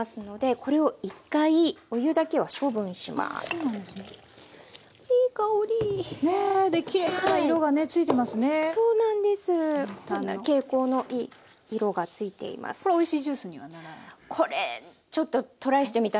これおいしいジュースにはならない。